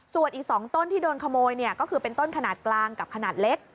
ส่วนอีก๒ต้นที่โดนขโมยก็คือเป็นต้นขนาดกลางกับขนาดเล็ก